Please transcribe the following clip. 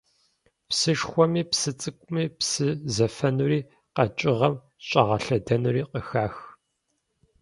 Псышхуэми псы цӀыкӀуми псы зэфэнури къэкӀыгъэм щӏагъэлъэдэнури къыхах.